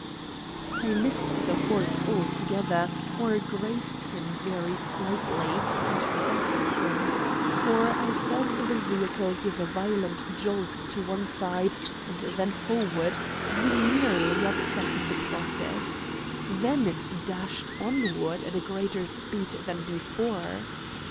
] I missed the horse altogether, or grazed him very slightly, and frightened him; for I felt the vehicle give a violent jolt to one side and then forward, being nearly upset in the process. Then it dashed onward at a greater speed than before.